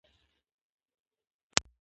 خور د ټولنیز ژوند برخه ده.